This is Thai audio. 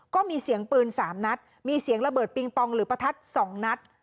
ก็มีเสียงปืน๓นัดมีเสียงระเบิดปิงปองหรือประทัด๒นัด